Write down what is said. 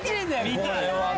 見たい！